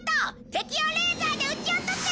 敵をレーザーで撃ち落とせ！